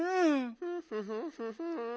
フフフフフン。